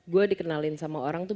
gue dikenalin sama orang tuh